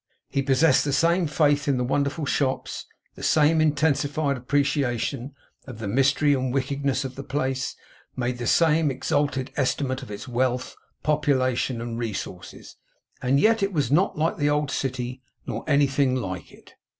He possessed the same faith in the wonderful shops, the same intensified appreciation of the mystery and wickedness of the place; made the same exalted estimate of its wealth, population, and resources; and yet it was not the old city nor anything like it.